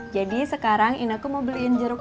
jadi sekarang ineke mau beliin jeruk